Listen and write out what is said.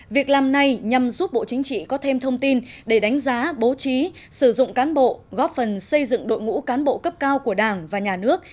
việc làm này nhằm giúp bộ chính trị có thêm thông tin để đánh giá bố trí sử dụng cán bộ góp phần xây dựng đội ngũ cán bộ cấp cao của đảng và nhà nước